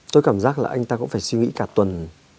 tôi cảm giác là anh ta cũng phải suy nghĩ cả tuần